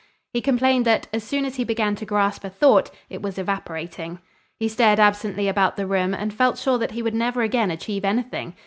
He complained that, as soon as he began to grasp a thought, it was evaporating. He stared absently about the room and felt sure that he would never again achieve anything.